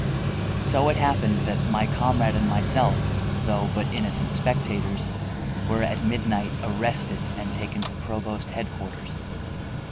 So it happened that my comrade and myself, though but innocent spectators, were at midnight arrested and taken to provost headquarters.